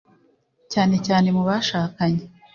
cyane cyane mu bashakanye